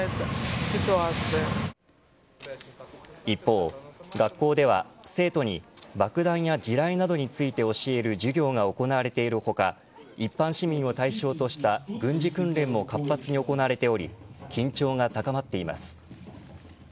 一方、学校では生徒に爆弾や地雷などについて教える授業が行われている他一般市民を対象とした軍事訓練も活発に行われており緊張が高まっています。